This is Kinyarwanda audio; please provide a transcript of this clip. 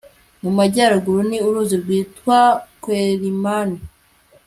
mu majyaruguru ni uruzi rwitwa kwelimane